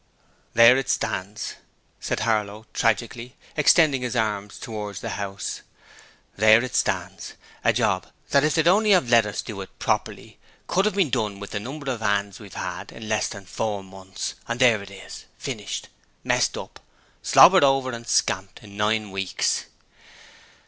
'There it stands!' said Harlow, tragically, extending his arm towards the house. 'There it stands! A job that if they'd only have let us do it properly, couldn't 'ave been done with the number of 'ands we've 'ad, in less than four months; and there it is, finished, messed up, slobbered over and scamped, in nine weeks!'